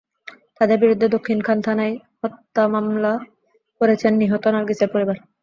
তাঁদের বিরুদ্ধে দক্ষিণ খান থানায় হত্যা মামলা করেছেন নিহত নার্গিসের পরিবার।